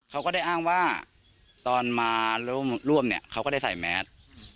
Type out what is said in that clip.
เขาก็ได้อ้างว่าตอนมาร่วมเนี่ยเขาก็ได้ใส่แมส